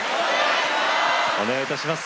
お願いいたします。